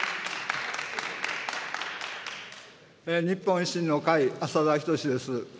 日本維新の会、浅田均です。